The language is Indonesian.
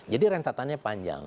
jadi rentatannya panjang